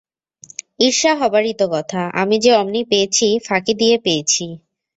ঈর্ষা হবারই তো কথা– আমি যে অমনি পেয়েছি, ফাঁকি দিয়ে পেয়েছি।